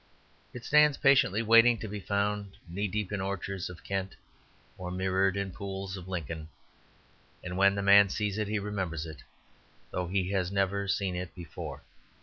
It stands patiently waiting to be found, knee deep in orchards of Kent or mirrored in pools of Lincoln; and when the man sees it he remembers it, though he has never seen it before.